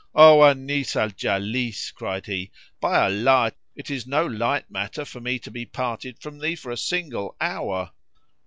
"O Anis al Jalis," cried he, "by Allah it is no light matter for me to be parted from thee for a single hour!"